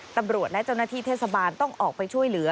ตำรวจและเจ้าหน้าที่เทศบาลต้องออกไปช่วยเหลือ